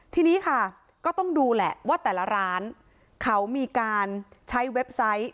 ทีนี้ค่ะก็ต้องดูแหละว่าแต่ละร้านเขามีการใช้เว็บไซต์